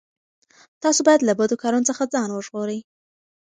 تاسو باید له بدو کارونو څخه ځان وژغورئ.